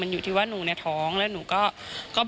อ่าเดี๋ยวฟองดูนะครับไม่เคยพูดนะครับ